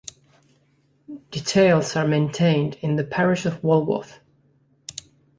Details are maintained in the parish of Walworth.